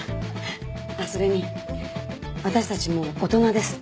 あっそれに私たちもう大人です。